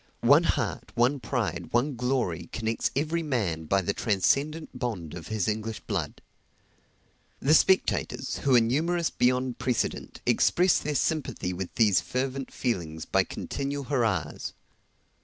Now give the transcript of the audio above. One heart, one pride, one glory, connects every man by the transcendent bond of his English blood. The spectators, who are numerous beyond precedent, express their sympathy with these fervent feelings by continual hurrahs.